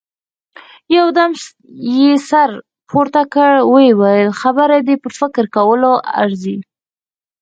يودم يې سر پورته کړ، ويې ويل: خبره دې په فکر کولو ارزي.